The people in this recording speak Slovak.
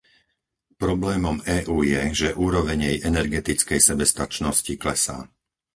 Problémom EÚ je, že úroveň jej energetickej sebestačnosti klesá.